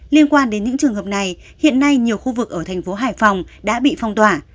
liên quan đến những trường hợp này hiện nay nhiều khu vực ở thành phố hải phòng đã bị phong tỏa